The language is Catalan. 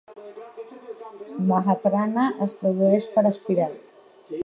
"Mahaprana" es tradueix per "aspirat".